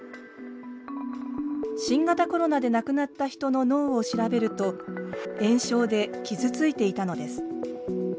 新型コロナで亡くなった人の脳を調べると炎症で傷ついていたのです。